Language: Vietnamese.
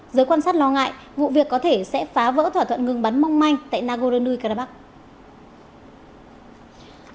giới quan sát lo ngại vụ việc có thể sẽ phá vỡ thỏa thuận ngừng bắn mong manh tại nagorno karabakh